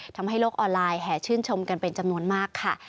ทำให้โลกออนไลน์แห่ชื่นชมกันเป็นจำนวนมากค่ะ